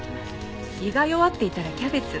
胃が弱っていたらキャベツ。